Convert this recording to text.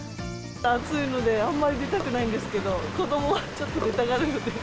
暑いので、あんまり出たくないんですけど、子どもはちょっと出たがるので。